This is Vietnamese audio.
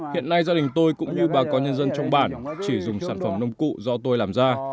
hiện nay gia đình tôi cũng như bà con nhân dân trong bản chỉ dùng sản phẩm nông cụ do tôi làm ra